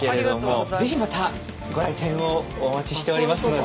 ぜひまたご来店をお待ちしておりますので。